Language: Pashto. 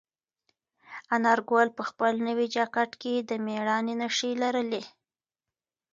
انارګل په خپل نوي جاکټ کې د مېړانې نښې لرلې.